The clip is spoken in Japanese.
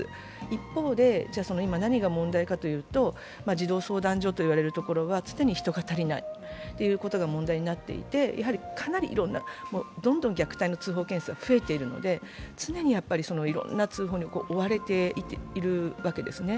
一方で、じゃあ、今、何が問題かというと、児童相談所と言われるところは常に人が足りないということが問題になっていてやはりかなりいろんな、どんどん虐待の通報件数が増えているので常にいろんな通報に追われているわけですね。